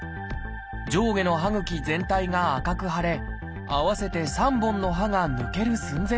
上下の歯ぐき全体が赤く腫れ合わせて３本の歯が抜ける寸前でした。